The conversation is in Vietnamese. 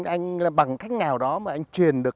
anh bằng cách nào đó mà anh truyền được